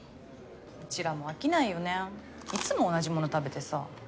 うちらも飽きないよねいつも同じもの食べてさ。